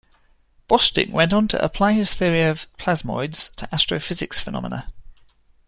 Bostick went on to apply his theory of plasmoids to astrophysics phenomena.